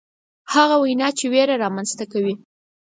هغه وینا چې ویره رامنځته کوي.